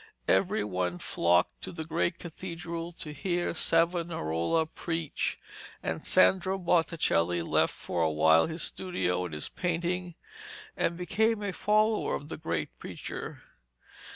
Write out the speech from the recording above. Every one flocked to the great cathedral to hear Savonarola preach, and Sandro Botticelli left for a while his studio and his painting and became a follower of the great preacher.